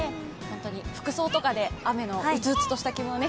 服装とかで雨の鬱々として気分をね。